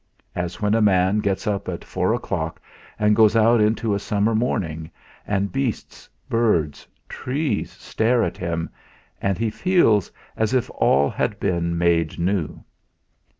As when a man gets up at four o'clock and goes out into a summer morning, and beasts, birds, trees stare at him and he feels as if all had been made new.